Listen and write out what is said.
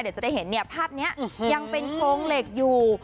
เดี๋ยวจะได้เห็นเนี่ยภาพนี้ยังเป็นโครงเหล็กอยู่